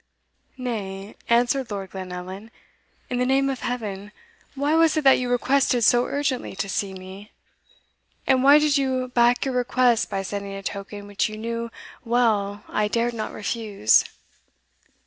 "Nay," answered Lord Glenallan, "in the name of Heaven, why was it that you requested so urgently to see me? and why did you back your request by sending a token which you knew well I dared not refuse?"